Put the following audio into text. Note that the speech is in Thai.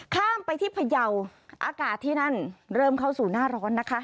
ข้ามไปที่พยาวอากาศที่นั่นเริ่มเข้าสู่หน้าร้อนนะคะ